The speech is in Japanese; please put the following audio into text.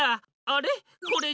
あれ？